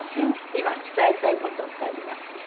今伝えたい事ってあります？